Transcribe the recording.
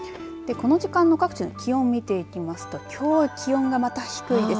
この時間の各地の気温を見ていきますと気温は、また低いです。